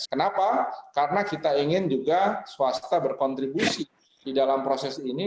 kenapa karena kita ingin juga swasta berkontribusi di dalam proses ini